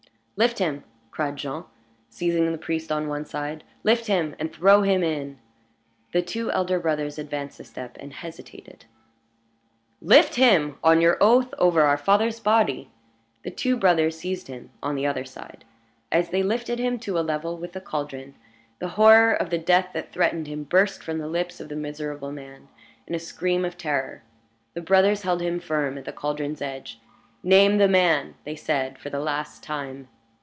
"Lift him!" cried Jean, seizing the priest on one side. "Lift him, and throw him in!" The two elder brothers advanced a step, and hesitated. "Lift him, on your oath over our father's body!" The two brothers seized him on the other side. As they lifted him to a level with the caldron, the horror of the death that threatened him burst from the lips of the miserable man in a scream of terror. The brothers held him firm at the caldron's edge. "Name the man!" they said for the last time.